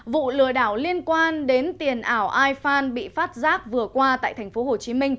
vụ lừa đảo liên quan đến tiền ảo ifan bị phát giác vừa qua tại tp hcm